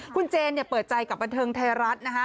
คุณเจนเปิดใจกับบันเทิงไทยรัฐนะฮะ